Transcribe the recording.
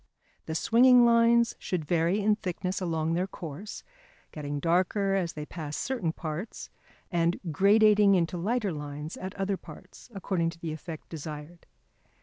The swinging lines should vary in thickness along their course, getting darker as they pass certain parts, and gradating into lighter lines at other parts according to the effect desired.